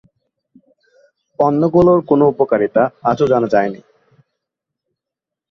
অন্যগুলির কোনো উপকারিতা আজও জানা যায় নি।